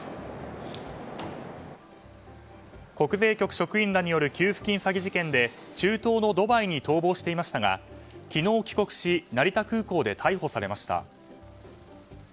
国税局職員らによる給付金詐欺事件で中東のドバイに逃亡していましたが昨日、帰国し成田空港で逮捕されました。